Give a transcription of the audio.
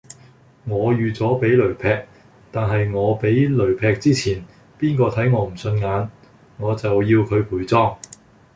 我預咗俾雷劈，但係我俾雷劈之前，邊個睇我唔順眼，我就要佢陪葬。